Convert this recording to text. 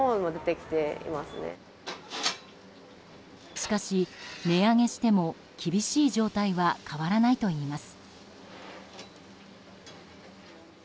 しかし、値上げしても厳しい状態は変わらないといいます。